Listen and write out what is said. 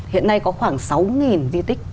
hiện nay có khoảng sáu di tích